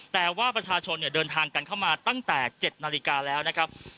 แต่ว่าประชาชนเดินทางกันเข้ามาตั้งแต่๗นาฬิกาแล้วนะครับ